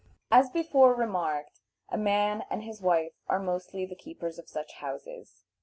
As before remarked, a man and his wife are mostly the keepers of such houses.